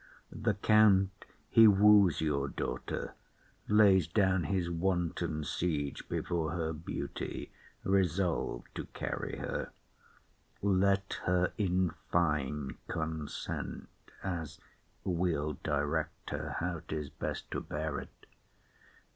The count he woos your daughter Lays down his wanton siege before her beauty, Resolv'd to carry her; let her in fine consent, As we'll direct her how 'tis best to bear it.